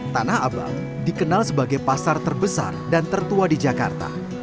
tanah abang dikenal sebagai pasar terbesar dan tertua di jakarta